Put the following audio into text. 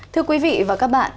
thưa quý vị và các bạn